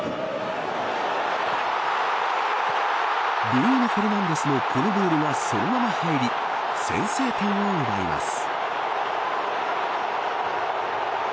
ブルーノ・フェルナンデスのこのボールが、そのまま入り先制点を奪います。